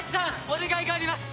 お願いがあります！